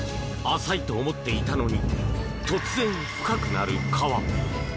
浅いと思っていたのに突然、深くなる川。